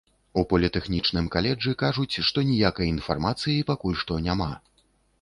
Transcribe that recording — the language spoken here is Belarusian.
У політэхнічным каледжы кажуць, што ніякай інфармацыі пакуль што няма.